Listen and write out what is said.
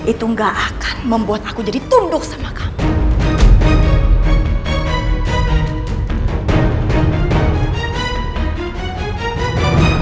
itu gak akan membuat aku jadi tunduk sama kamu